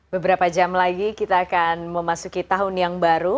beberapa jam lagi kita akan memasuki tahun yang baru